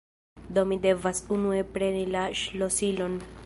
do mi devas unue preni la ŝlosilon